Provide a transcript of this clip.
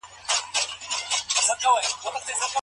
په مرکه کي د پېغور جوړوونکو خبرو څخه ځان وساتئ.